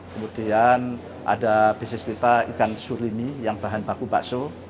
kemudian ada bisnis kita ikan surimi yang bahan baku bakso